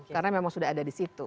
karena memang sudah ada disitu